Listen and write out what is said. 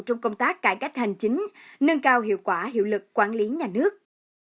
trong công tác cải cách hành chính nâng cao hiệu quả hiệu lực quản lý nhà nước